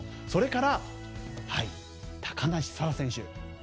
それから、高梨沙羅選手。